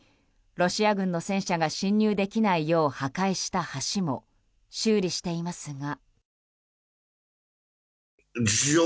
ロシア軍の戦車が侵入できないよう破壊した橋も修理していますが。